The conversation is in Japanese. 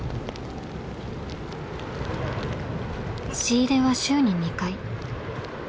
仕入れは週に２回。